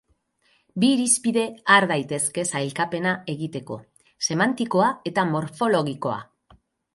Bi irizpide har daitezke sailkapena egiteko: semantikoa eta morfologikoa.